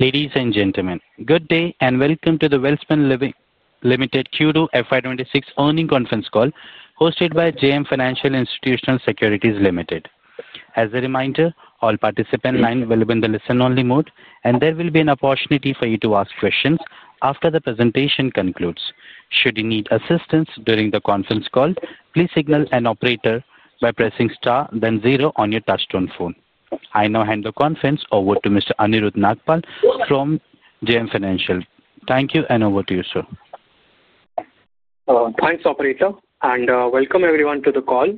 Ladies and gentlemen, good day and welcome to the Welspun Limited Q2 FY2026 earning conference call hosted by JM Financial Institutional Securities Limited. As a reminder, all participants will be in the listen-only mode, and there will be an opportunity for you to ask questions after the presentation concludes. Should you need assistance during the conference call, please signal an operator by pressing star, then zero on your touchstone phone. I now hand the conference over to Mr. Aniruddh Nagpal from JM Financial. Thank you, and over to you, sir. Thanks, operator, and welcome everyone to the call.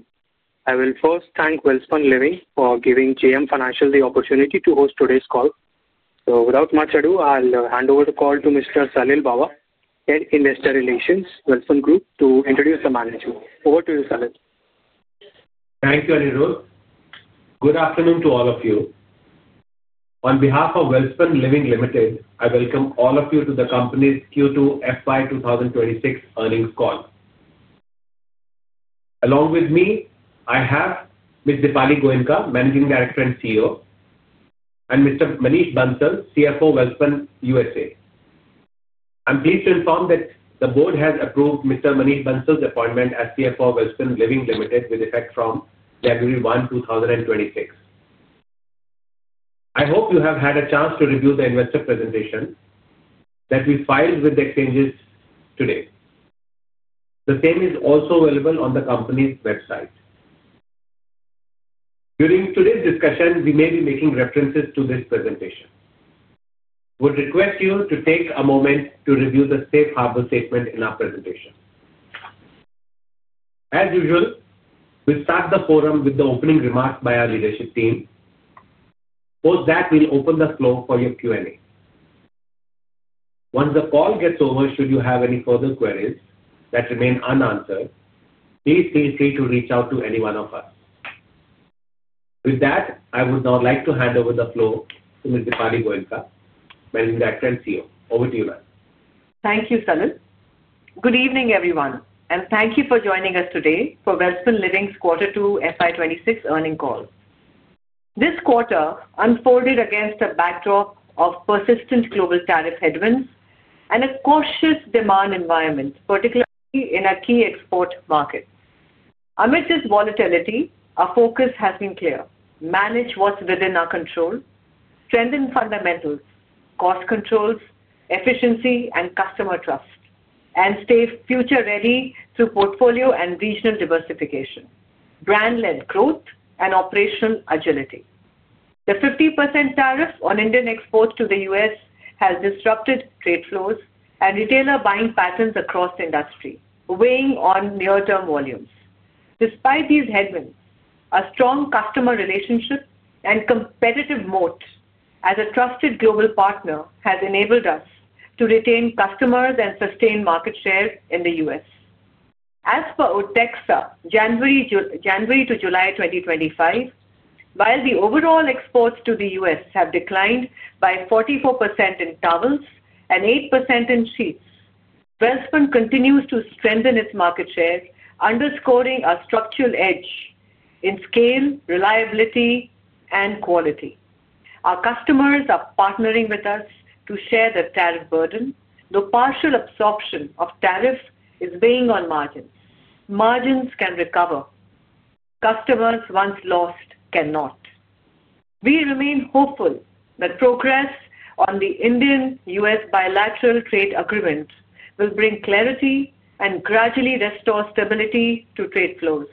I will first thank Welspun Living for giving JM Financial the opportunity to host today's call. Without much ado, I'll hand over the call to Mr. Salil Bawa, Head of Investor Relations, Welspun Group, to introduce the management. Over to you, Salil. Thank you, Aniruddh. Good afternoon to all of you. On behalf of Welspun Living Limited, I welcome all of you to the company's Q2 FY 2026 earnings call. Along with me, I have Ms. Dipali Goenka, Managing Director and CEO, and Mr. Manish Bansal, CFO, Welspun U.S.A. I'm pleased to inform that the board has approved Mr. Manish Bansal's appointment as CFO of Welspun Living Limited with effect from February 1, 2026. I hope you have had a chance to review the investor presentation that we filed with the exchanges today. The same is also available on the company's website. During today's discussion, we may be making references to this presentation. We would request you to take a moment to review the Safe Harbor statement in our presentation. As usual, we start the forum with the opening remarks by our leadership team. Post that, we'll open the floor for your Q&A. Once the call gets over, should you have any further queries that remain unanswered, please feel free to reach out to any one of us. With that, I would now like to hand over the floor to Ms. Dipali Goenka, Managing Director and CEO. Over to you, ma'am. Thank you, Salil. Good evening, everyone, and thank you for joining us today for Welspun Living's quarter 2 FY 2026 earning call. This quarter unfolded against a backdrop of persistent global tariff headwinds and a cautious demand environment, particularly in our key export market. Amid this volatility, our focus has been clear: manage what's within our control, strengthen fundamentals, cost controls, efficiency, and customer trust, and stay future-ready through portfolio and regional diversification, brand-led growth, and operational agility. The 50% tariff on Indian exports to the U.S. has disrupted trade flows and retailer buying patterns across the industry, weighing on near-term volumes. Despite these headwinds, a strong customer relationship and competitive moat as a trusted global partner has enabled us to retain customers and sustain market share in the U.S. As per OTEXA's January to July 2025, while the overall exports to the U.S. have declined by 44% in towels and 8% in sheets, Welspun continues to strengthen its market share, underscoring our structural edge in scale, reliability, and quality. Our customers are partnering with us to share the tariff burden, though partial absorption of tariffs is weighing on margins. Margins can recover. Customers once lost cannot. We remain hopeful that progress on the Indian-U.S. bilateral trade agreement will bring clarity and gradually restore stability to trade flows.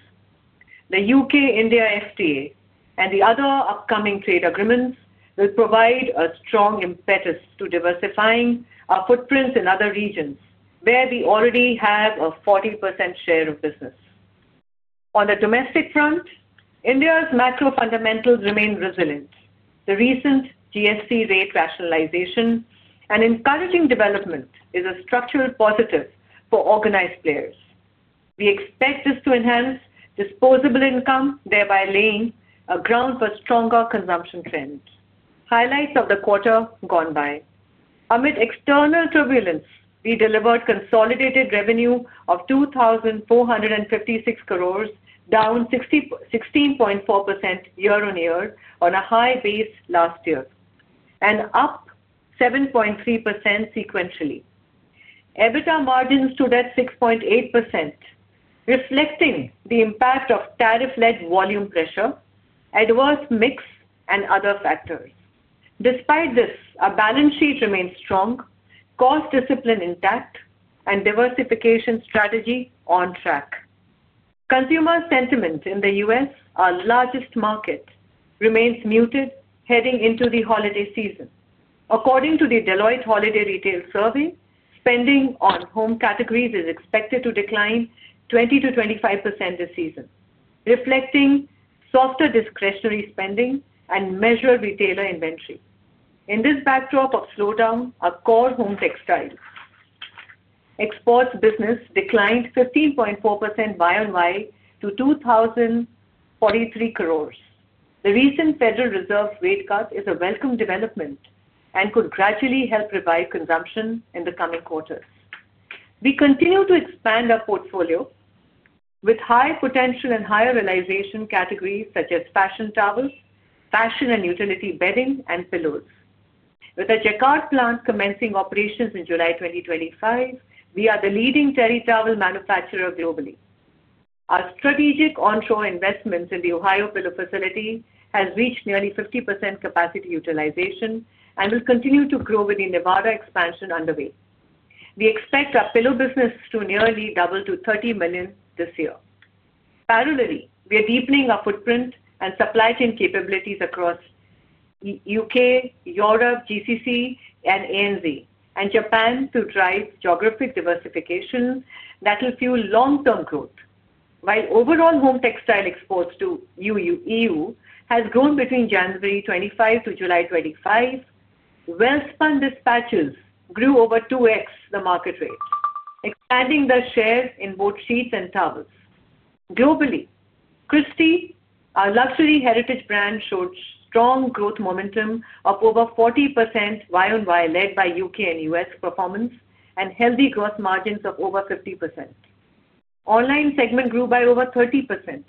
The U.K.-India FTA and the other upcoming trade agreements will provide a strong impetus to diversifying our footprints in other regions where we already have a 40% share of business. On the domestic front, India's macro fundamentals remain resilient. The recent GST rate rationalization and encouraging development is a structural positive for organized players. We expect this to enhance disposable income, thereby laying a ground for stronger consumption trends. Highlights of the quarter gone by: Amid external turbulence, we delivered consolidated revenue of 2,456 crore, down 16.4% year-on-year on a high base last year and up 7.3% sequentially. EBITDA margins stood at 6.8%, reflecting the impact of tariff-led volume pressure, adverse mix, and other factors. Despite this, our balance sheet remained strong, cost discipline intact, and diversification strategy on track. Consumer sentiment in the U.S., our largest market, remains muted heading into the holiday season. According to the Deloitte Holiday Retail Survey, spending on home categories is expected to decline 20%-25% this season, reflecting softer discretionary spending and measured retailer inventory. In this backdrop of slowdown, our core home textile exports business declined 15.4% year-on-year to 2,043 crore. The recent Federal Reserve rate cut is a welcome development and could gradually help revive consumption in the coming quarters. We continue to expand our portfolio with high potential and higher realization categories such as fashion towels, fashion and utility bedding, and pillows. With our Jacquard plant commencing operations in July 2025, we are the leading terry towel manufacturer globally. Our strategic onshore investments in the Ohio pillow facility have reached nearly 50% capacity utilization and will continue to grow with the Nevada expansion underway. We expect our pillow business to nearly double to 30 crore million this year. Parallelly, we are deepening our footprint and supply chain capabilities across the U.K., Europe, GCC, and ANZ, and Japan to drive geographic diversification that will fuel long-term growth. While overall home textile exports to the EU have grown between January 2025-July 2025, Welspun dispatches grew over 2x the market rate, expanding their share in both sheets and towels. Globally, Christie, our luxury heritage brand, showed strong growth momentum of over 40% year-on-year led by U.K. and U.S. performance and healthy gross margins of over 50%. Online segment grew by over 30%,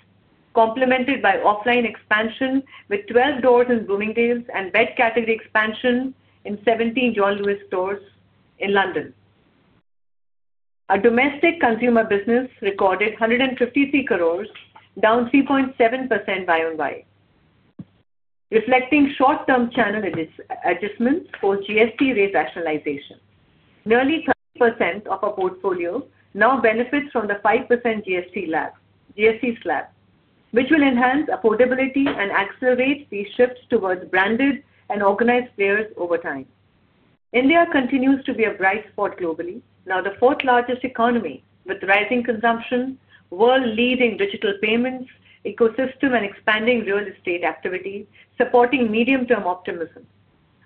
complemented by offline expansion with 12 stores in Bloomingdales and bed category expansion in 17 John Lewis stores in London. Our domestic consumer business recorded 153 crore, down 3.7% year-on-year, reflecting short-term channel adjustments for GST rate rationalization. Nearly 30% of our portfolio now benefits from the 5% GST slab, which will enhance affordability and accelerate these shifts towards branded and organized players over time. India continues to be a bright spot globally, now the fourth-largest economy with rising consumption, world-leading digital payments ecosystem, and expanding real estate activity supporting medium-term optimism.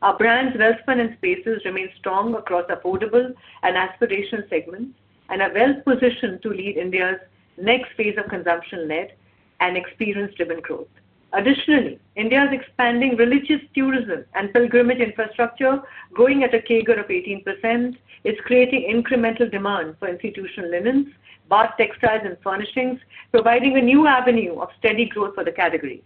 Our brands, Welspun and Spaces, remain strong across affordable and aspirational segments and are well-positioned to lead India's next phase of consumption-led and experience-driven growth. Additionally, India's expanding religious tourism and pilgrimage infrastructure, growing at a CAGR of 18%, is creating incremental demand for institutional linens, bath textiles, and furnishings, providing a new avenue of steady growth for the category.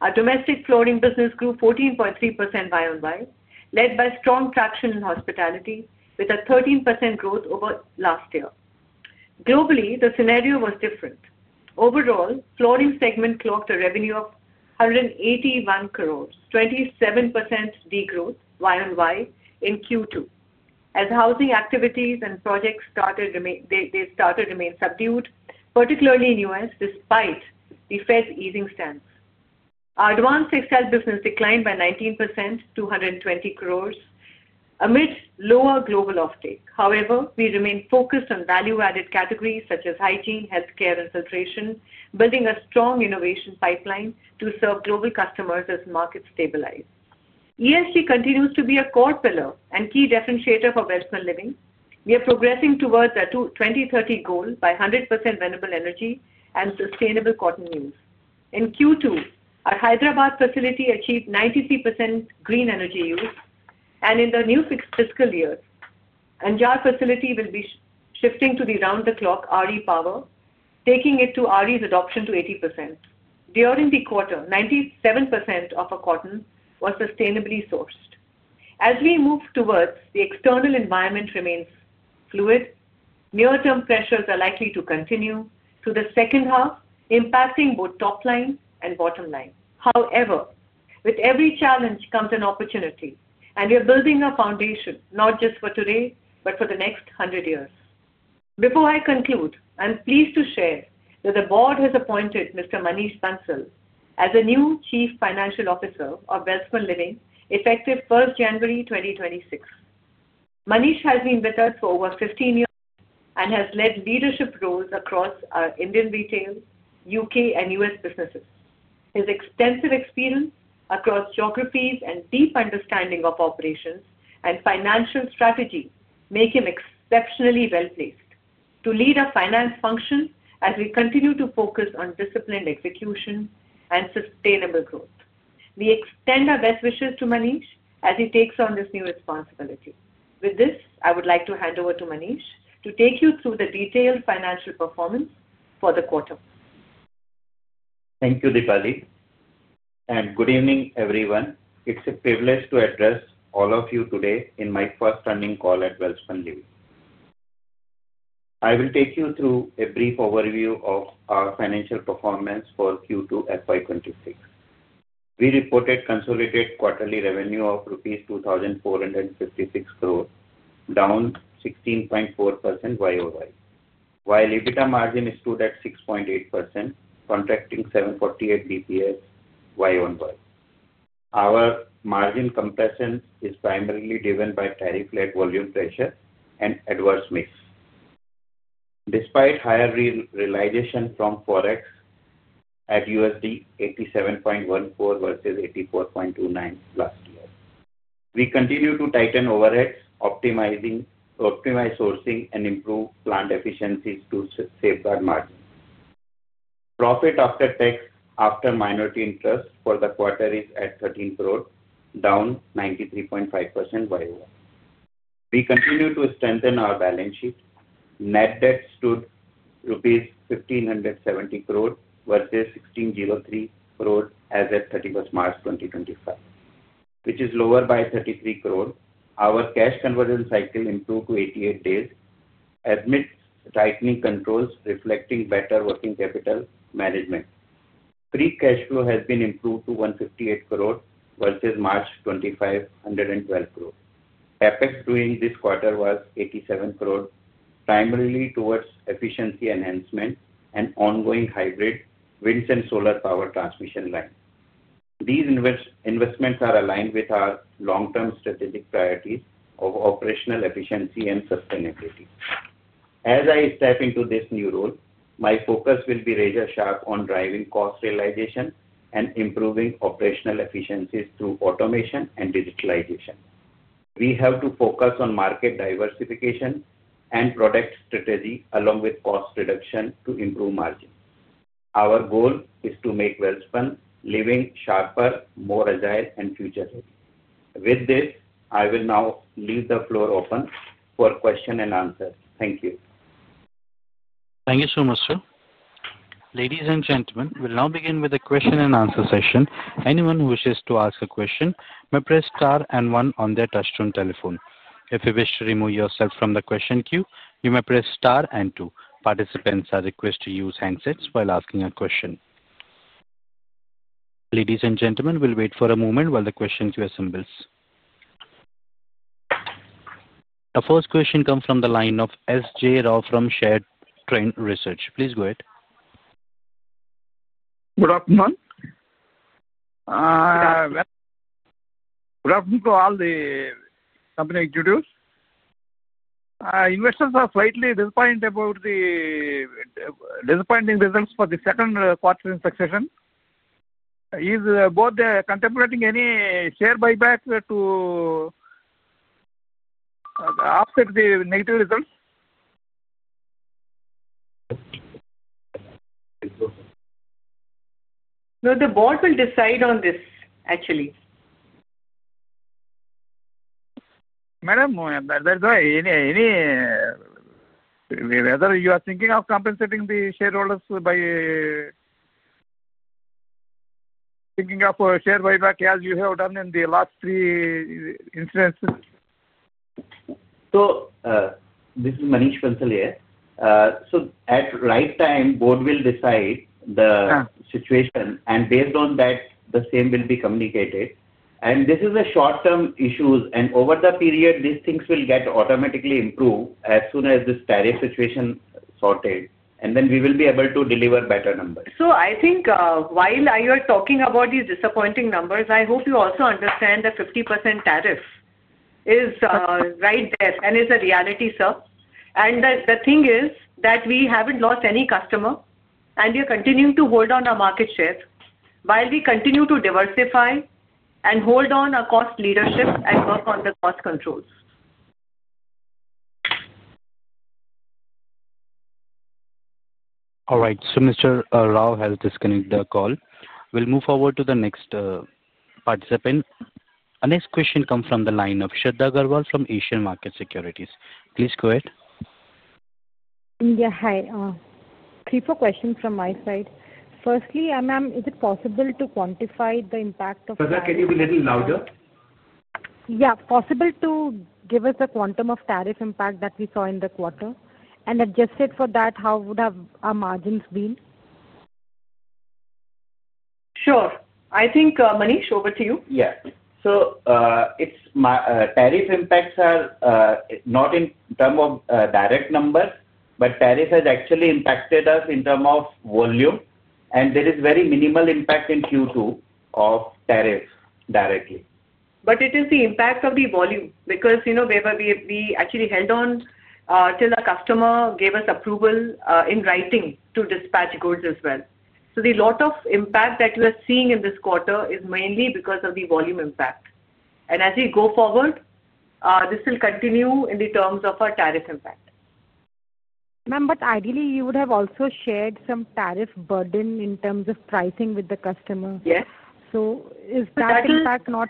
Our domestic flooring business grew 14.3% year-on-year, led by strong traction in hospitality, with a 13% growth over last year. Globally, the scenario was different. Overall, flooring segment clocked a revenue of 181 crore, 27% degrowth year-on-year in Q2, as housing activities and projects started to remain subdued, particularly in the U.S., despite the Federal Reserve's easing stance. Our advanced textile business declined by 19% to 120 crore amid lower global offtake. However, we remain focused on value-added categories such as hygiene, healthcare, and filtration, building a strong innovation pipeline to serve global customers as markets stabilize. ESG continues to be a core pillar and key differentiator for Welspun Living. We are progressing towards our 2030 goal by 100% renewable energy and sustainable cotton use. In Q2, our Hyderabad facility achieved 93% green energy use, and in the new fiscal year, Anjar facility will be shifting to the round-the-clock RE power, taking it to RE's adoption to 80%. During the quarter, 97% of our cotton was sustainably sourced. As we move towards the external environment, it remains fluid. Near-term pressures are likely to continue through the second half, impacting both top line and bottom line. However, with every challenge comes an opportunity, and we are building a foundation not just for today but for the next 100 years. Before I conclude, I'm pleased to share that the board has appointed Mr. Manish Bansal as the new Chief Financial Officer of Welspun Living effective 1st January, 2026. Manish has been with us for over 15 years and has led leadership roles across our Indian retail, U.K., and U.S. businesses. His extensive experience across geographies and deep understanding of operations and financial strategy make him exceptionally well-placed to lead our finance function as we continue to focus on disciplined execution and sustainable growth. We extend our best wishes to Manish as he takes on this new responsibility. With this, I would like to hand over to Manish to take you through the detailed financial performance for the quarter. Thank you, DIpali. Good evening, everyone. It's a privilege to address all of you today in my first running call at Welspun Living. I will take you through a brief overview of our financial performance for Q2 FY 2026. We reported consolidated quarterly revenue of rupees 2,456 crore, down 16.4% year-on-year, while EBITDA margin stood at 6.8%, contracting 748 basis points year-on-year. Our margin compression is primarily driven by tariff-led volume pressure and adverse mix, despite higher realization from Forex at $87.14 versus $84.29 last year. We continue to tighten overheads, optimize sourcing, and improve plant efficiencies to safeguard margins. Profit after tax after minority interest for the quarter is at 13 crore, down 93.5% year-on-year. We continue to strengthen our balance sheet. Net debt stood at rupees 1,570 crore versus 1,603 crore as of 31st March 2025, which is lower by 33 crore. Our cash conversion cycle improved to 88 days, amid tightening controls reflecting better working capital management. Free cash flow has been improved to 158 crore versus March 25, 112 crore. Capex during this quarter was 87 crore, primarily towards efficiency enhancement and ongoing hybrid wind and solar power transmission lines. These investments are aligned with our long-term strategic priorities of operational efficiency and sustainability. As I step into this new role, my focus will be razor-sharp on driving cost realization and improving operational efficiencies through automation and digitalization. We have to focus on market diversification and product strategy along with cost reduction to improve margins. Our goal is to make Welspun Living sharper, more agile, and future-ready. With this, I will now leave the floor open for questions and answers. Thank you. Thank you so much, sir. Ladies and gentlemen, we will now begin with a question and answer session. Anyone who wishes to ask a question may press star and one on their touchscreen telephone. If you wish to remove yourself from the question queue, you may press star and two. Participants are requested to use handsets while asking a question. Ladies and gentlemen, we will wait for a moment while the question queue assembles. Our first question comes from the line of SJ Rau from Shared Trend Research. Please go ahead. Good afternoon. Good afternoon to all the company introduced. Investors are slightly disappointed about the disappointing results for the second quarter in succession. Is Welspun contemplating any share buyback to offset the negative results? No, the board will decide on this, actually. Madam, whether you are thinking of compensating the shareholders by thinking of share buyback as you have done in the last three instances? This is Manish Bansal here. At the right time, the board will decide the situation, and based on that, the same will be communicated. This is a short-term issue, and over the period, these things will get automatically improved as soon as this tariff situation is sorted, and then we will be able to deliver better numbers. I think while you are talking about these disappointing numbers, I hope you also understand that 50% tariff is right there and is a reality, sir. The thing is that we haven't lost any customer, and we are continuing to hold on our market share while we continue to diversify and hold on our cost leadership and work on the cost controls. All right. So Mr. Rau has disconnected the call. We'll move forward to the next participant. Our next question comes from the line of Shradha Agrawal from Asian Market Securities. Please go ahead. Yeah, hi. Three or four questions from my side. Firstly, ma'am, is it possible to quantify the impact of? Brother, can you be a little louder? Yeah. Possible to give us the quantum of tariff impact that we saw in the quarter? Adjusted for that, how would our margins be? Sure. I think, Manish, over to you. Yeah. Tariff impacts are not in terms of direct numbers, but tariff has actually impacted us in terms of volume, and there is very minimal impact in Q2 of tariff directly. It is the impact of the volume because we actually held on till the customer gave us approval in writing to dispatch goods as well. The lot of impact that we are seeing in this quarter is mainly because of the volume impact. As we go forward, this will continue in the terms of our tariff impact. Ma'am, ideally, you would have also shared some tariff burden in terms of pricing with the customer. Yes. Is that impact not?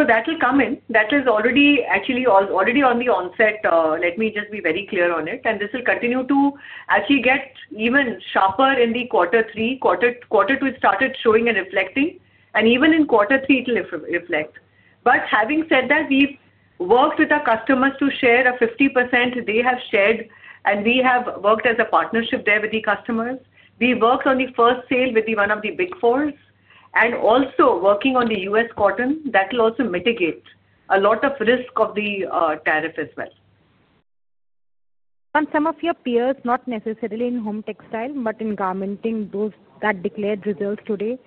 That is already actually already on the onset. Let me just be very clear on it. This will continue to actually get even sharper in quarter three. Quarter two started showing and reflecting, and even in quarter three, it will reflect. Having said that, we've worked with our customers to share a 50%. They have shared, and we have worked as a partnership there with the customers. We worked on the first sale with one of the Big Fours. Also, working on the U.S. cotton, that will also mitigate a lot of risk of the tariff as well. Ma'am, some of your peers, not necessarily in home textile but in garmenting, those that declared results today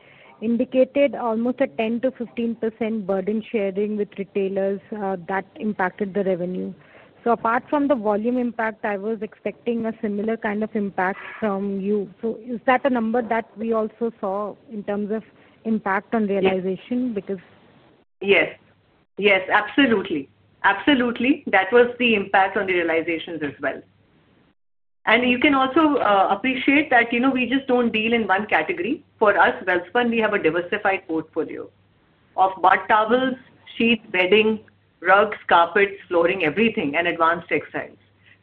indicated almost a 10%-15% burden sharing with retailers that impacted the revenue. Apart from the volume impact, I was expecting a similar kind of impact from you. Is that a number that we also saw in terms of impact on realization because? Yes. Yes, absolutely. Absolutely. That was the impact on the realizations as well. You can also appreciate that we just do not deal in one category. For us, Welspun, we have a diversified portfolio of bath towels, sheets, bedding, rugs, carpets, flooring, everything, and advanced textiles.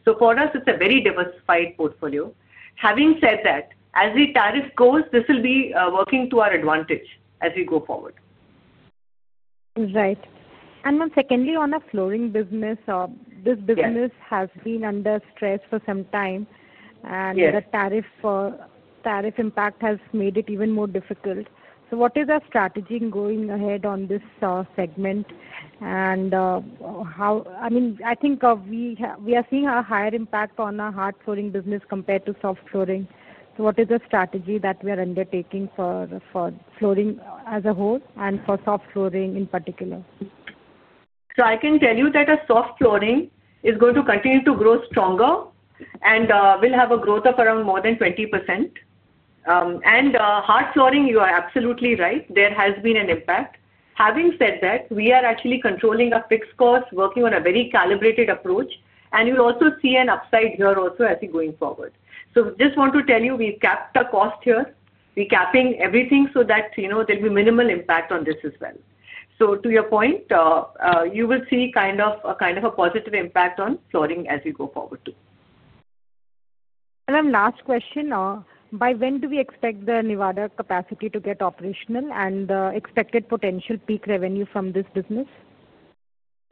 For us, it is a very diversified portfolio. Having said that, as the tariff goes, this will be working to our advantage as we go forward. Right. And ma'am, secondly, on a flooring business, this business has been under stress for some time, and the tariff impact has made it even more difficult. What is our strategy going ahead on this segment? I mean, I think we are seeing a higher impact on our hard flooring business compared to soft flooring. What is the strategy that we are undertaking for flooring as a whole and for soft flooring in particular? I can tell you that soft flooring is going to continue to grow stronger and will have a growth of around more than 20%. Hard flooring, you are absolutely right. There has been an impact. Having said that, we are actually controlling our fixed costs, working on a very calibrated approach, and you'll also see an upside here also as we go forward. We just want to tell you we capped the cost here. We're capping everything so that there'll be minimal impact on this as well. To your point, you will see kind of a positive impact on flooring as we go forward too. Ma'am, last question. By when do we expect the Nevada capacity to get operational and the expected potential peak revenue from this business?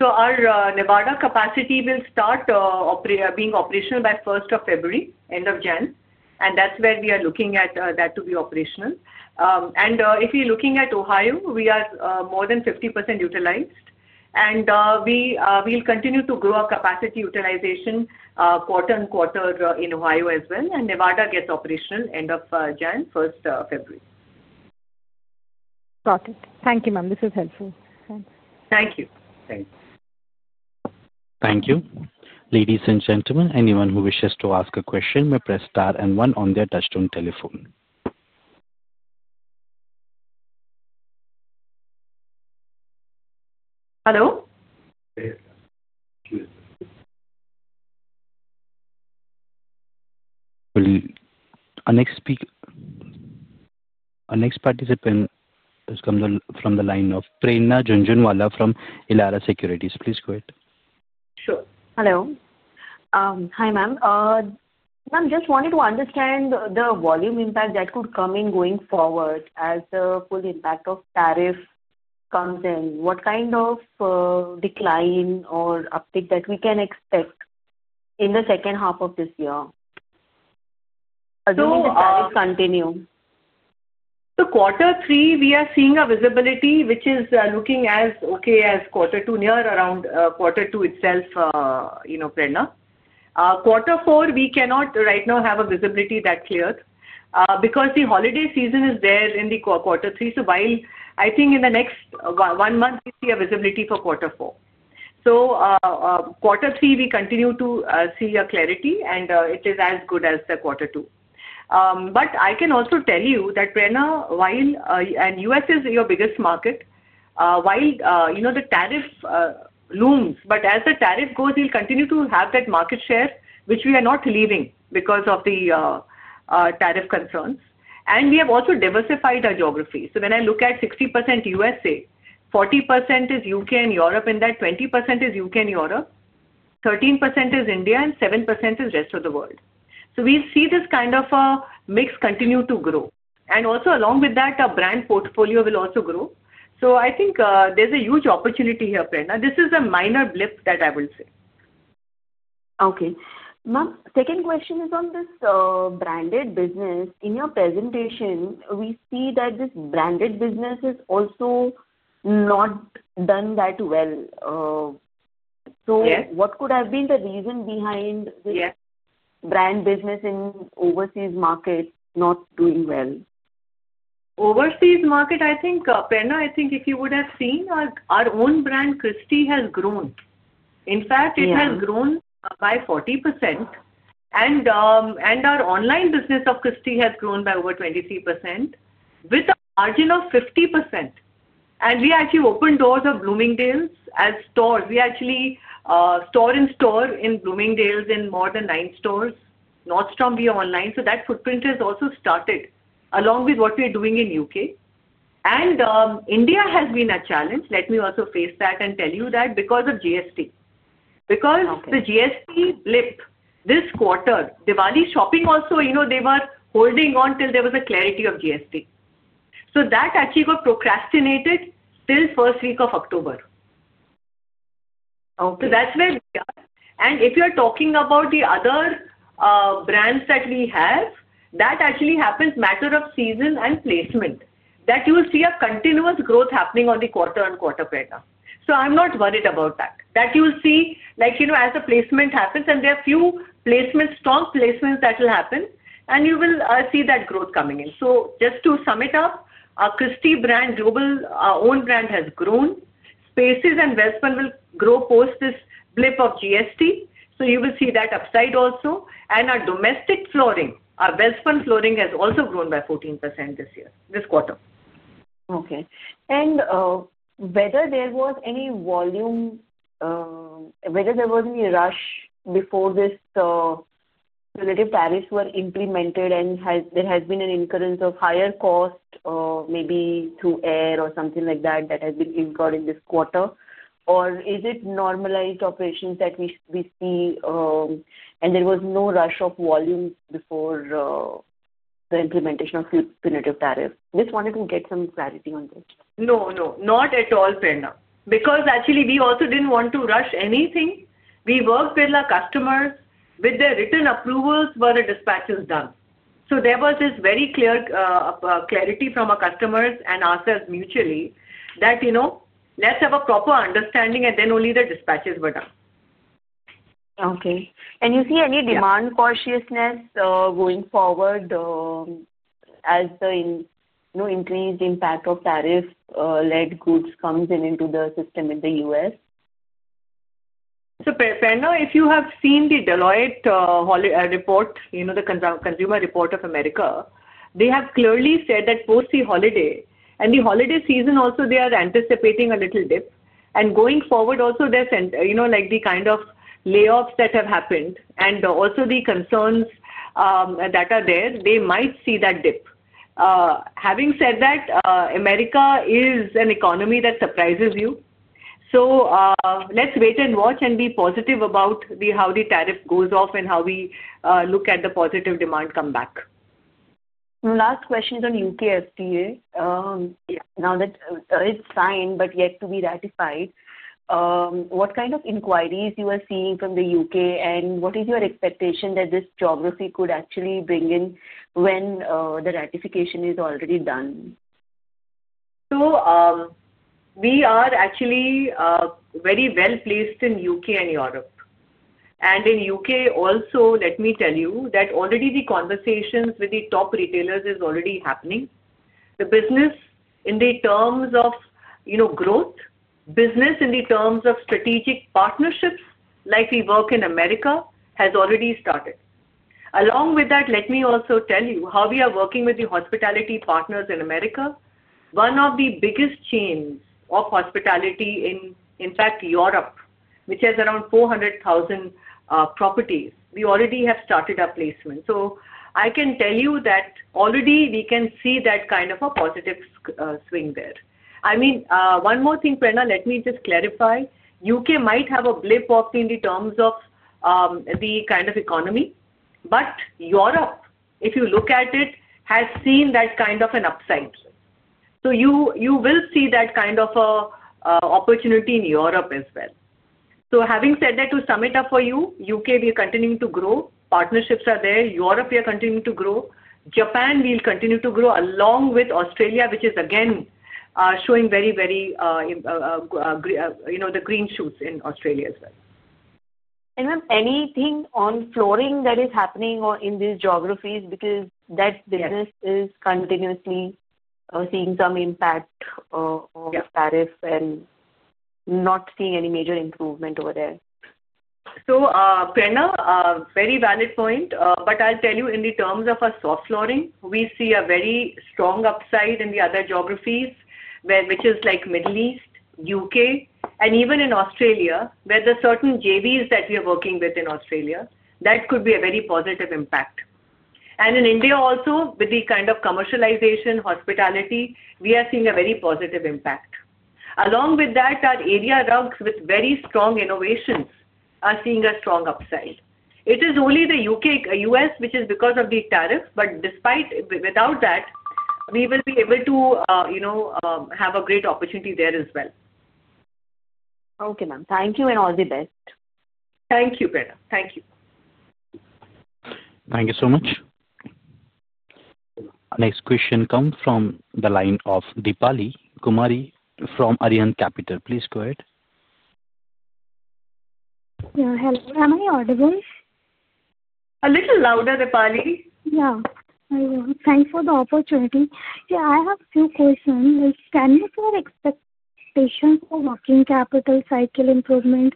Our Nevada capacity will start being operational by 1st of February, end of January, and that's where we are looking at that to be operational. If you're looking at Ohio, we are more than 50% utilized, and we'll continue to grow our capacity utilization quarter on quarter in Ohio as well, and Nevada gets operational end of January, February 1. Got it. Thank you, ma'am. This is helpful. Thank you. Thanks. Thank you. Ladies and gentlemen, anyone who wishes to ask a question may press star and one on their touchscreen telephone. Hello? Our next participant is from the line of Prerna Jhanjunwala from Elara Securities. Please go ahead. Sure. Hello. Hi, ma'am. Ma'am, just wanted to understand the volume impact that could come in going forward as the full impact of tariff comes in. What kind of decline or uptick that we can expect in the second half of this year? During the tariff continue. So quarter three, we are seeing a visibility which is looking as okay as quarter two, near around quarter two itself, Prerna. Quarter four, we cannot right now have a visibility that clear because the holiday season is there in the quarter three. I think in the next one month, we see a visibility for quarter four. Quarter three, we continue to see a clarity, and it is as good as the quarter two. I can also tell you that Prerna and U.S. is your biggest market. While the tariff looms, but as the tariff goes, we'll continue to have that market share, which we are not leaving because of the tariff concerns. We have also diversified our geography. When I look at 60% U.S., 20% is U.K. and Europe, 13% is India, and 7% is the rest of the world. We'll see this kind of mix continue to grow. Also, along with that, our brand portfolio will also grow. I think there's a huge opportunity here, Prerna. This is a minor blip that I will say. Okay. Ma'am, second question is on this branded business. In your presentation, we see that this branded business is also not done that well. What could have been the reason behind this branded business in overseas market not doing well? Overseas market, I think, Prerna, I think if you would have seen, our own brand, Christie, has grown. In fact, it has grown by 40%, and our online business of Christie has grown by over 23% with a margin of 50%. We actually opened doors of Bloomingdale's as stores. We actually store in store in Bloomingdale's in more than nine stores. Nordstrom, we are online. That footprint has also started along with what we are doing in the U.K. India has been a challenge. Let me also face that and tell you that because of GST. Because the GST blip this quarter, Diwali shopping also, they were holding on till there was a clarity of GST. That actually got procrastinated till first week of October. That's where we are. If you are talking about the other brands that we have, that actually happens matter of season and placement. You will see a continuous growth happening on the quarter and quarter, Prerna. I'm not worried about that. You will see as the placement happens, and there are a few placements, strong placements that will happen, and you will see that growth coming in. Just to sum it up, our Christie brand, global own brand, has grown. Spaces and Welspun will grow post this blip of GST. You will see that upside also. Our domestic flooring, our Welspun flooring, has also grown by 14% this quarter. Okay. Whether there was any volume, whether there was any rush before this relative tariffs were implemented and there has been an incurrence of higher cost, maybe through air or something like that, that has been incurred in this quarter, or is it normalized operations that we see and there was no rush of volume before the implementation of cumulative tariff? Just wanted to get some clarity on this. No, no. Not at all, Prerna. Because actually, we also did not want to rush anything. We worked with our customers. With their written approvals were the dispatches done. So there was this very clear clarity from our customers and ourselves mutually that let's have a proper understanding, and then only the dispatches were done. Okay. Do you see any demand cautiousness going forward as the increased impact of tariff-led goods comes into the system in the U.S.? Prerna, if you have seen the Deloitte report, the Consumer Report of America, they have clearly said that post the holiday and the holiday season also, they are anticipating a little dip. Going forward also, there's the kind of layoffs that have happened and also the concerns that are there, they might see that dip. Having said that, America is an economy that surprises you. Let's wait and watch and be positive about how the tariff goes off and how we look at the positive demand come back. Last question on U.K. FTA. Now that it's signed but yet to be ratified, what kind of inquiries you are seeing from the U.K., and what is your expectation that this geography could actually bring in when the ratification is already done? We are actually very well placed in the U.K. and Europe. In the U.K. also, let me tell you that already the conversations with the top retailers are already happening. The business in terms of growth, business in terms of strategic partnerships like we work in America, has already started. Along with that, let me also tell you how we are working with the hospitality partners in America. One of the biggest chains of hospitality in, in fact, Europe, which has around 400,000 properties, we already have started our placement. I can tell you that already we can see that kind of a positive swing there. I mean, one more thing, Prerna, let me just clarify. The U.K. might have a blip in terms of the kind of economy, but Europe, if you look at it, has seen that kind of an upside. You will see that kind of an opportunity in Europe as well. Having said that, to sum it up for you, U.K., we are continuing to grow. Partnerships are there. Europe, we are continuing to grow. Japan, we will continue to grow along with Australia, which is again showing very, very the green shoots in Australia as well. Ma'am, anything on flooring that is happening in these geographies because that business is continuously seeing some impact of tariff and not seeing any major improvement over there? Prerna, very valid point. I'll tell you, in terms of soft flooring, we see a very strong upside in the other geographies, which is like the Middle East, U.K., and even in Australia where there are certain JVs that we are working with in Australia. That could be a very positive impact. In India also, with the kind of commercialization, hospitality, we are seeing a very positive impact. Along with that, our area rugs with very strong innovations are seeing a strong upside. It is only the U.K., U.S., which is because of the tariff, but without that, we will be able to have a great opportunity there as well. Okay, ma'am. Thank you and all the best. Thank you, Prerna. Thank you. Thank you so much. Next question comes from the line of Deepali Kumari from Arihant Capital. Please go ahead. Hello. How many audibles? A little louder, Deepali. Yeah. Thanks for the opportunity. Yeah, I have a few questions. Is Chetan for expectations for working capital cycle improvement,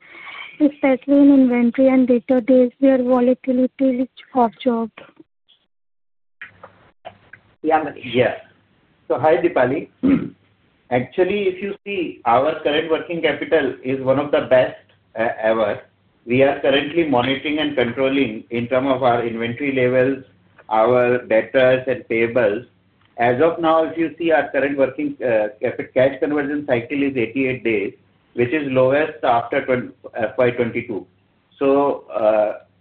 especially in inventory and debtor days where volatility is observed? Yes. Hi, Deepali. Actually, if you see, our current working capital is one of the best ever. We are currently monitoring and controlling in terms of our inventory levels, our debtors and payables. As of now, if you see, our current working cash conversion cycle is 88 days, which is lowest after 2022.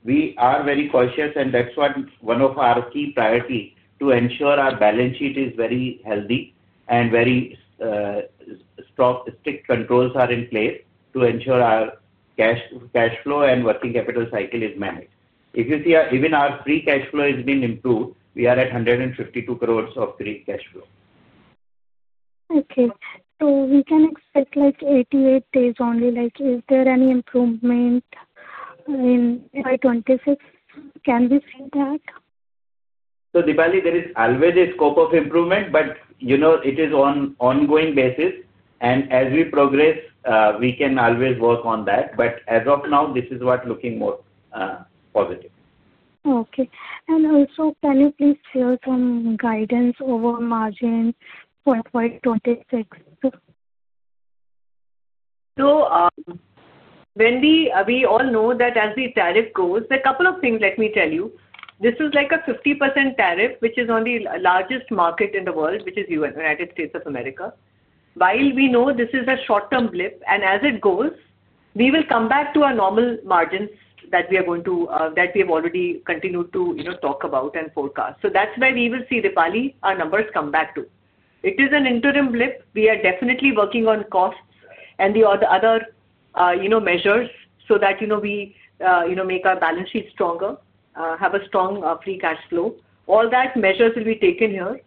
We are very cautious, and that's one of our key priorities to ensure our balance sheet is very healthy and very strict controls are in place to ensure our cash flow and working capital cycle is managed. If you see, even our free cash flow has been improved. We are at 152 crore of free cash flow. Okay. So we can expect like 88 days only. Is there any improvement in by 2026? Can we see that? Deepali, there is always a scope of improvement, but it is on an ongoing basis. As we progress, we can always work on that. As of now, this is what is looking more positive. Okay. Also, can you please share some guidance over margin for FY 2026? We all know that as the tariff goes, a couple of things let me tell you. This is like a 50% tariff, which is on the largest market in the world, which is the United States of America. While we know this is a short-term blip, and as it goes, we will come back to our normal margins that we are going to, that we have already continued to talk about and forecast. That is where we will see, Deepali, our numbers come back to. It is an interim blip. We are definitely working on costs and the other measures so that we make our balance sheet stronger, have a strong free cash flow. All that measures will be taken here,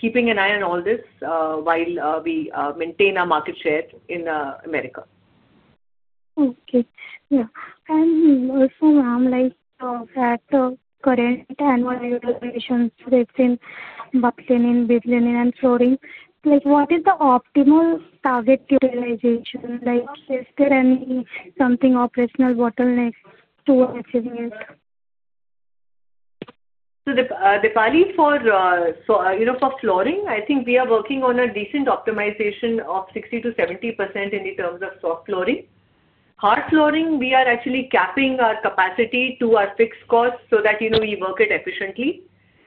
keeping an eye on all this while we maintain our market share in America. Okay. Yeah. Also, ma'am, at the current annual utilizations, we've seen buckling in bed linen and flooring. What is the optimal target utilization? Is there any operational bottleneck to achieving it? Deepali, for flooring, I think we are working on a decent optimization of 60%-70% in terms of soft flooring. Hard flooring, we are actually capping our capacity to our fixed costs so that we work it efficiently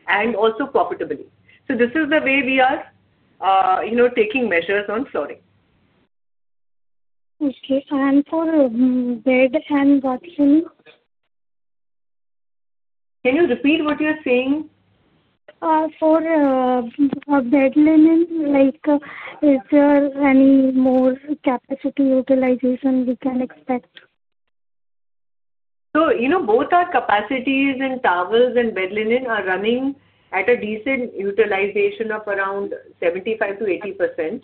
and also profitably. This is the way we are taking measures on flooring. Okay. For bed and bathroom? Can you repeat what you're saying? For bed linen, is there any more capacity utilization we can expect? Both our capacities in towels and bed linen are running at a decent utilization of around 75%-80%.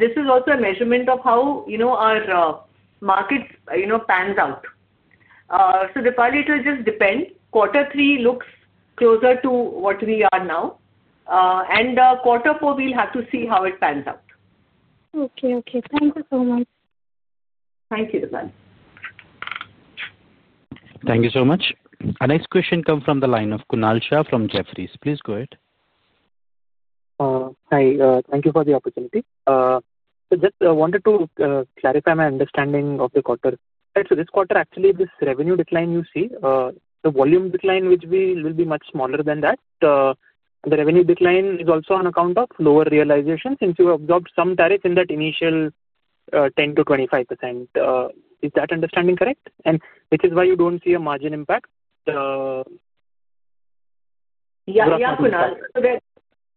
This is also a measurement of how our market pans out. Deepali, it will just depend. Quarter three looks closer to what we are now. Quarter four, we will have to see how it pans out. Okay. Okay. Thank you so much. Thank you, Deepali. Thank you so much. The next question comes from the line of Kunal Shah from Jefferies. Please go ahead. Hi. Thank you for the opportunity. Just wanted to clarify my understanding of the quarter. This quarter, actually, this revenue decline you see, the volume decline, which will be much smaller than that, the revenue decline is also on account of lower realization since you absorbed some tariff in that initial 10%-25%. Is that understanding correct? Which is why you do not see a margin impact? Yeah. Yeah, Kunal.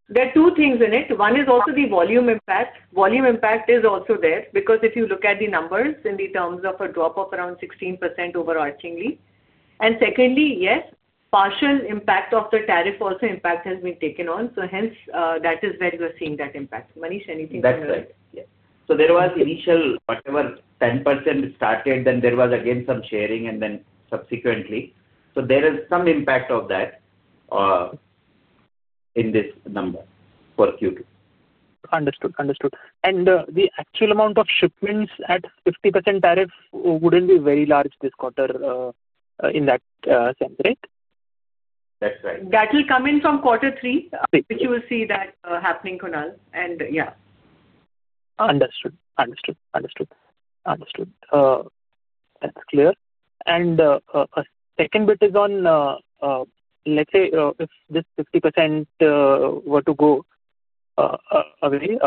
There are two things in it. One is also the volume impact. Volume impact is also there because if you look at the numbers in the terms of a drop of around 16% overarchingly. Secondly, yes, partial impact of the tariff also impact has been taken on. Hence, that is where we are seeing that impact. Manish, anything to add? That's right. There was initial whatever 10% started, then there was again some sharing and then subsequently. There is some impact of that in this number for Q2. Understood. Understood. The actual amount of shipments at 50% tariff would not be very large this quarter in that sense, right? That's right. That will come in from quarter three. Which you will see that happening, Kunal. And yeah. Understood. That's clear. A second bit is on, let's say, if this 50% were to go away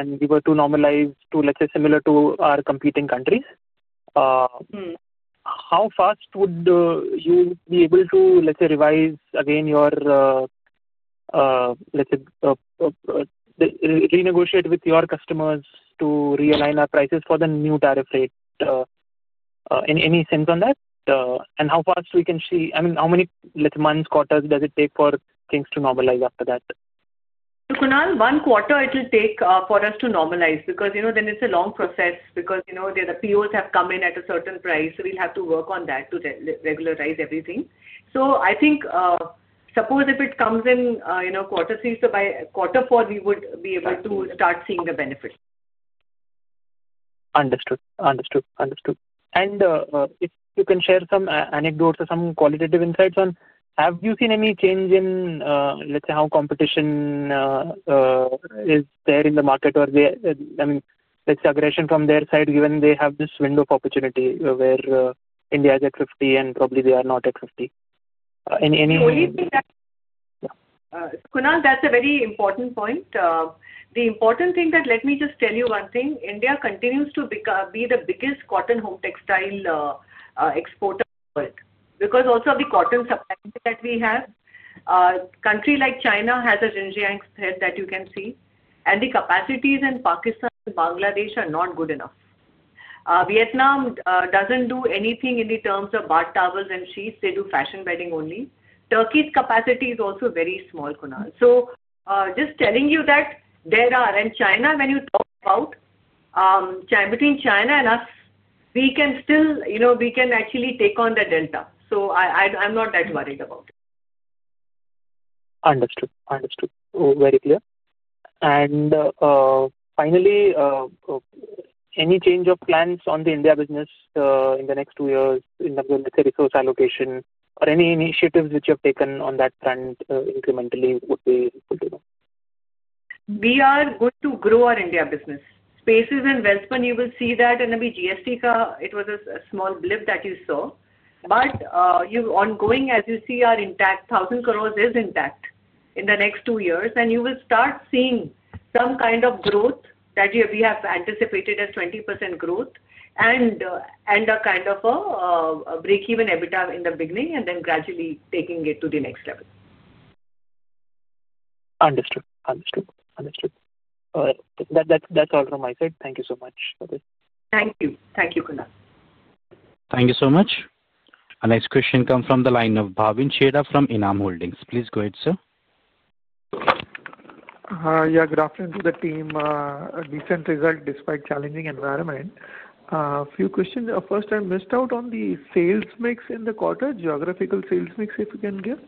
and we were to normalize to, let's say, similar to our competing countries, how fast would you be able to, let's say, revise again your, let's say, renegotiate with your customers to realign our prices for the new tariff rate? Any sense on that? How fast we can see, I mean, how many, let's say, months, quarters does it take for things to normalize after that? Kunal, one quarter, it will take for us to normalize because then it's a long process because the POs have come in at a certain price. We'll have to work on that to regularize everything. I think, suppose if it comes in quarter three, by quarter four, we would be able to start seeing the benefits. Understood. Understood. If you can share some anecdotes or some qualitative insights on, have you seen any change in, let's say, how competition is there in the market or the, I mean, let's say, aggression from their side, given they have this window of opportunity where India is at 50% and probably they are not at 50%? Any? The only thing that Kunal, that's a very important point. The important thing that let me just tell you one thing. India continues to be the biggest cotton home textile exporter because also of the cotton supply that we have. Country like China has a Xinjiang spread that you can see. The capacities in Pakistan and Bangladesh are not good enough. Vietnam doesn't do anything in the terms of bath towels and sheets. They do fashion bedding only. Turkey's capacity is also very small, Kunal. Just telling you that there are. And China, when you talk about between China and us, we can still we can actually take on the delta. I'm not that worried about it. Understood. Understood. Very clear. Finally, any change of plans on the India business in the next two years in terms of, let's say, resource allocation or any initiatives which you have taken on that front incrementally would be helpful to know. We are going to grow our India business. Spaces and Welspun, when you will see that, and GST, it was a small blip that you saw. Ongoing, as you see, our intact 1,000 crore is intact in the next two years. You will start seeing some kind of growth that we have anticipated as 20% growth and a kind of a break-even EBITDA in the beginning and then gradually taking it to the next level. Understood. That's all from my side. Thank you so much for this. Thank you. Thank you, Kunal. Thank you so much. A next question comes from the line of Bhavin Chheda from Enam Holdings. Please go ahead, sir. Yeah. Good afternoon to the team. Decent result despite challenging environment. A few questions. First, I missed out on the sales mix in the quarter, geographical sales mix, if you can give.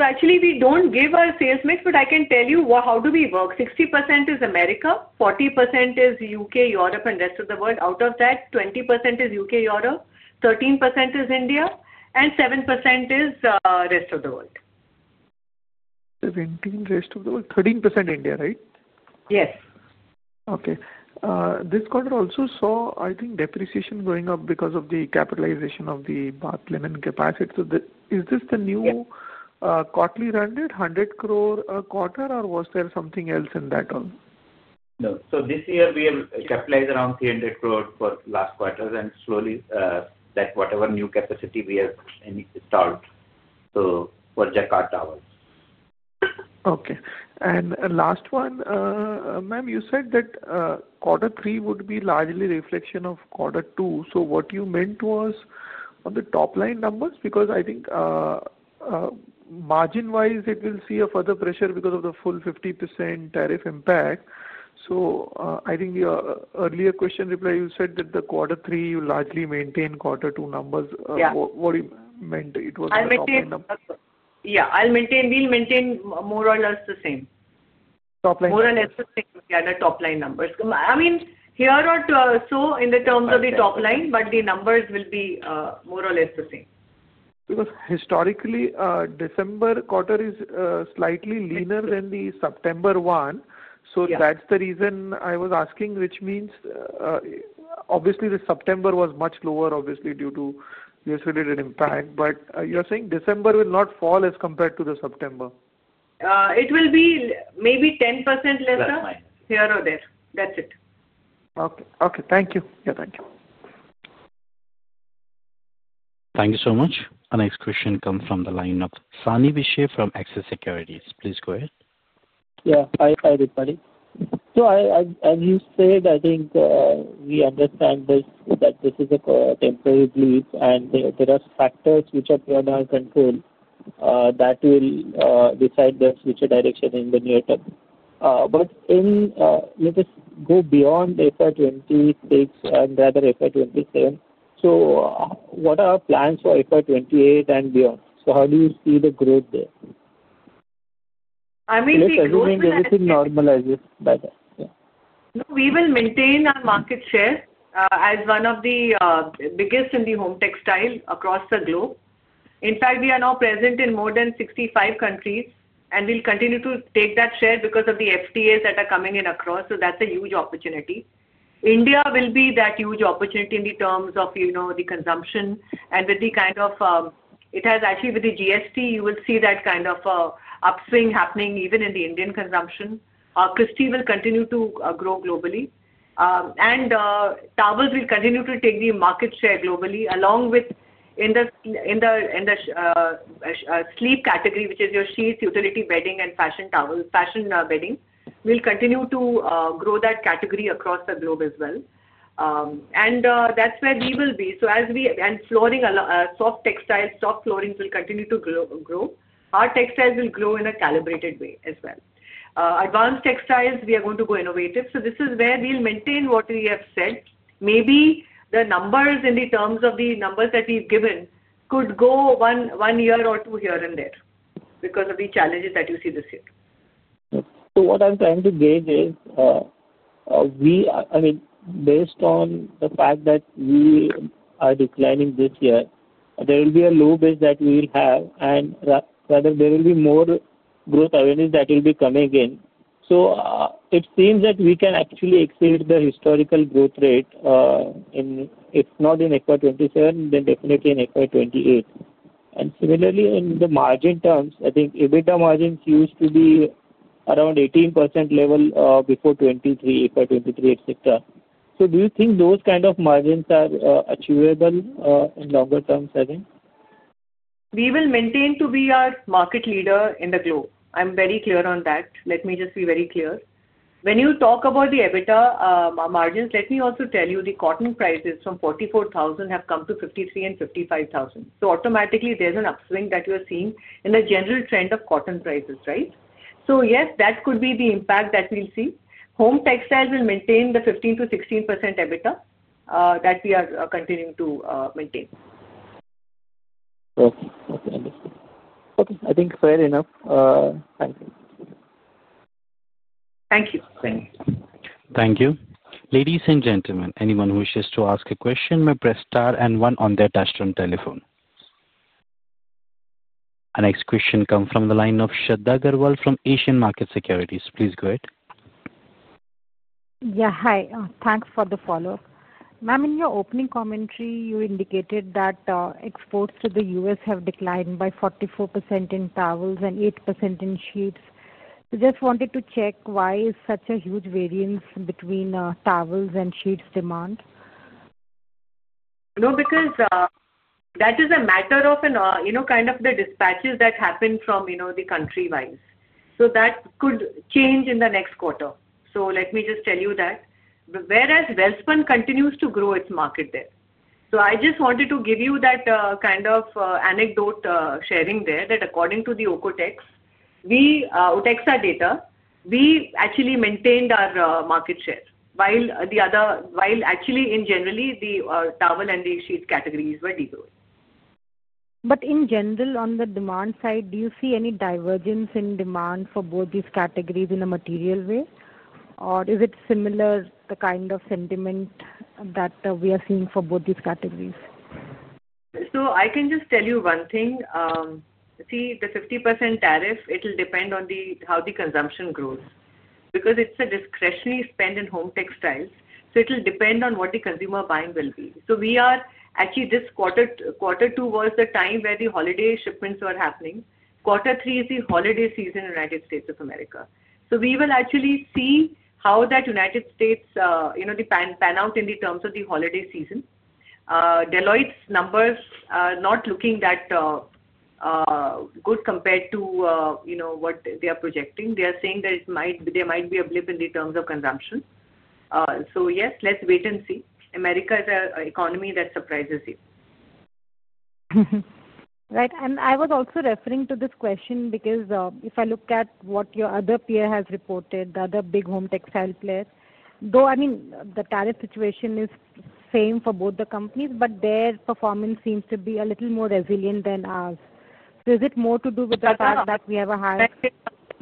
Actually, we don't give our sales mix, but I can tell you how do we work. 60% is America, 40% is U.K., Europe, and rest of the world. Out of that, 20% is U.K., Europe, 13% is India, and 7% is rest of the world. 17% rest of the world, 13% India, right? Yes. Okay. This quarter also saw, I think, depreciation going up because of the capitalization of the bath lining capacity. Is this the new quarterly run rate 100 crore quarter, or was there something else in that? No. So this year, we have capitalized around 300 crore for last quarter, and slowly that whatever new capacity we have installed for Jacquard towels. Okay. Last one, ma'am, you said that quarter three would be largely a reflection of quarter two. What you meant was on the top-line numbers because I think margin-wise, it will see a further pressure because of the full 50% tariff impact. I think your earlier question replied, you said that the quarter three will largely maintain quarter two numbers. What you meant, it was the top-line numbers. Yeah. We'll maintain more or less the same, more or less the same with the other top-line numbers. I mean, here or so in the terms of the top line, but the numbers will be more or less the same. Because historically, December quarter is slightly leaner than the September, 1. That is the reason I was asking, which means obviously the September was much lower, obviously, due to the affiliated impact. You are saying December will not fall as compared to the September? It will be maybe 10% lesser here or there. That's it. Okay. Thank you. Yeah. Thank you. Thank you so much. A next question comes from the line of Sani Vishe from Axis Securities. Please go ahead. Yeah. Hi, Dpali. As you said, I think we understand that this is a temporary blip, and there are factors which are beyond our control that will decide the future direction in the near term. Let us go beyond FY 2026 and rather FY 2027. What are our plans for FY 2028 and beyond? How do you see the growth there? I mean, we will. Just assuming everything normalizes better. No, we will maintain our market share as one of the biggest in home textiles across the globe. In fact, we are now present in more than 65 countries, and we will continue to take that share because of the FTAs that are coming in across. That is a huge opportunity. India will be that huge opportunity in terms of the consumption and with the kind of it has actually with the GST, you will see that kind of upswing happening even in the Indian consumption. Christie will continue to grow globally. Towels will continue to take the market share globally along with in the sleep category, which is your sheets, utility bedding, and fashion towels, fashion bedding. We will continue to grow that category across the globe as well. That is where we will be. As we and soft textiles, soft floorings will continue to grow. Our textiles will grow in a calibrated way as well. Advanced textiles, we are going to go innovative. This is where we'll maintain what we have said. Maybe the numbers in terms of the numbers that we've given could go one year or two here and there because of the challenges that you see this year. What I'm trying to gauge is, I mean, based on the fact that we are declining this year, there will be a low base that we will have, and rather there will be more growth avenues that will be coming in. It seems that we can actually exceed the historical growth rate. If not in FY 2027, then definitely in FY 2028. Similarly, in the margin terms, I think EBITDA margins used to be around 18% level before 2023, FY 2023, etc. Do you think those kind of margins are achievable in longer terms, I think? We will maintain to be our market leader in the globe. I'm very clear on that. Let me just be very clear. When you talk about the EBITDA margins, let me also tell you the cotton prices from 44,000 crore have come to 53,000 crore and 55,000 crore. Automatically, there's an upswing that you're seeing in the general trend of cotton prices, right? Yes, that could be the impact that we'll see. Home textiles will maintain the 15%-16% EBITDA that we are continuing to maintain. Okay. Okay. Understood. Okay. I think fair enough. Thank you. Thank you. Thank you. Ladies and gentlemen, anyone who wishes to ask a question may press star and one on their touchscreen telephone. A next question comes from the line of Shradha Agrawa from Asian Market Securities. Please go ahead. Yeah. Hi. Thanks for the follow-up. Ma'am, in your opening commentary, you indicated that exports to the U.S. have declined by 44% in towels and 8% in sheets. I just wanted to check why is such a huge variance between towels and sheets demand? No, because that is a matter of kind of the dispatches that happen from the country-wise. That could change in the next quarter. Let me just tell you that. Whereas Welspun continues to grow its market there. I just wanted to give you that kind of anecdote sharing there that according to the OTEXA data, we actually maintained our market share while actually, in general, the towel and the sheet categories were degrowing. In general, on the demand side, do you see any divergence in demand for both these categories in a material way? Or is it similar, the kind of sentiment that we are seeing for both these categories? I can just tell you one thing. See, the 50% tariff, it will depend on how the consumption grows because it's a discretionary spend in home textiles. It will depend on what the consumer buying will be. Actually, this quarter two was the time where the holiday shipments were happening. Quarter three is the holiday season in the United States of America. We will actually see how that United States pan out in the terms of the holiday season. Deloitte's numbers are not looking that good compared to what they are projecting. They are saying that there might be a blip in the terms of consumption. Yes, let's wait and see. America is an economy that surprises you. Right. I was also referring to this question because if I look at what your other peer has reported, the other big home textile players, I mean, the tariff situation is same for both the companies, but their performance seems to be a little more resilient than ours. Is it more to do with the fact that we have a higher?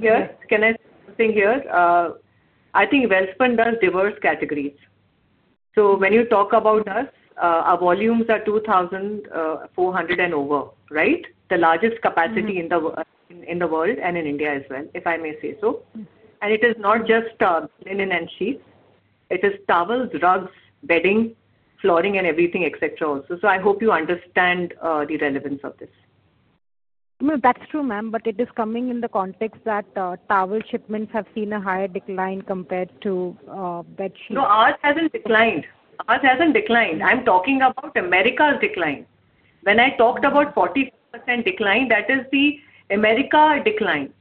Can I say something here? I think Welspun does diverse categories. When you talk about us, our volumes are 2,400 and over, right? The largest capacity in the world and in India as well, if I may say so. It is not just linen and sheets. It is towels, rugs, bedding, flooring, and everything, etc. also. I hope you understand the relevance of this. No, that's true, ma'am, but it is coming in the context that towel shipments have seen a higher decline compared to bed sheets. No, ours hasn't declined. Ours hasn't declined. I'm talking about America's decline. When I talked about 44% decline, that is the America decline.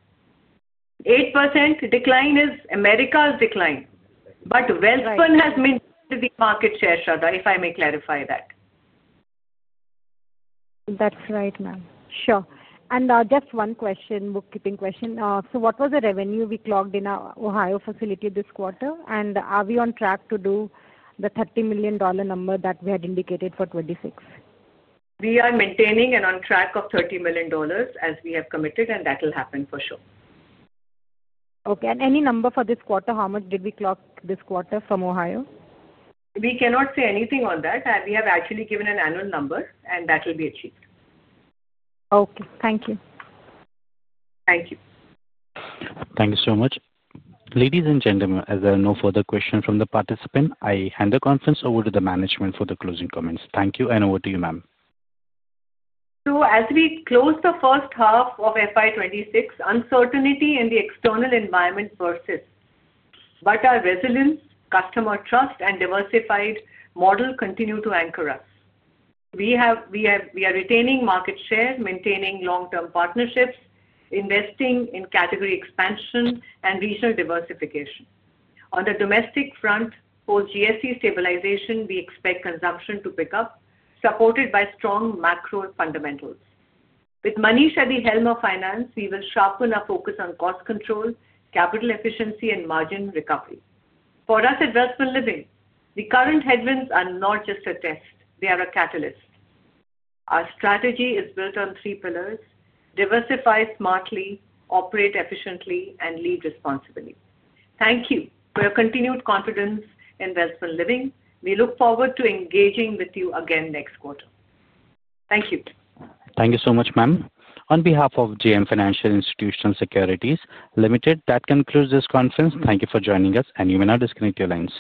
8% decline is America's decline. But Welspun has maintained the market share, Sharda, if I may clarify that. That's right, ma'am. Sure. Just one question, bookkeeping question. What was the revenue we clocked in our Ohio facility this quarter? Are we on track to do the $30 million number that we had indicated for 2026? We are maintaining and on track of $30 million as we have committed, and that will happen for sure. Okay. Any number for this quarter, how much did we clock this quarter from Ohio? We cannot say anything on that. We have actually given an annual number, and that will be achieved. Okay. Thank you. Thank you. Thank you so much. Ladies and gentlemen, as there are no further questions from the participants, I hand the conference over to the management for the closing comments. Thank you, and over to you, ma'am. As we close the first half of FY 2026, uncertainty in the external environment persists. Our resilience, customer trust, and diversified model continue to anchor us. We are retaining market share, maintaining long-term partnerships, investing in category expansion, and regional diversification. On the domestic front, post-GST stabilization, we expect consumption to pick up, supported by strong macro fundamentals. With Manish Bansal at the helm of finance, we will sharpen our focus on cost control, capital efficiency, and margin recovery. For us at Welspun Living, the current headwinds are not just a test. They are a catalyst. Our strategy is built on three pillars: diversify smartly, operate efficiently, and lead responsibly. Thank you for your continued confidence in Welspun Living. We look forward to engaging with you again next quarter. Thank you. Thank you so much, ma'am. On behalf of JM Financial Institutional Securities Limited, that concludes this conference. Thank you for joining us, and you may now disconnect your lines.